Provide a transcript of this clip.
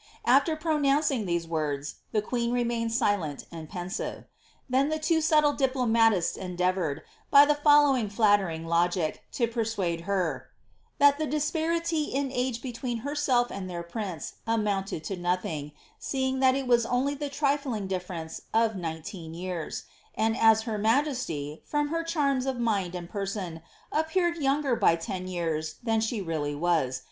.After pronouncing these words, the queen remained silent and pensive. Then the two subde diplomatists endeavoured, by the following tlaileriag logic, to persuade her, "that the disparity in age between herself and their prince amounted to nothing, seeing thai it was only the u'lS'iaf diHerence of nineteen years ; and as her majesty, from her charms of mind and person, appeared younger by ten years than she really waj.